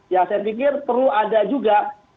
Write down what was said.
ya saya pikir perlu ada juga